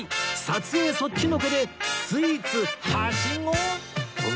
撮影そっちのけでスイーツはしご！？